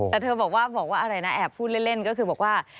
แต่เธอบอกว่าอะไรนะแอบพูดเล่นก็คือบอกว่า